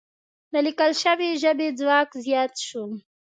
د لیکل شوې ژبې ځواک زیات شو.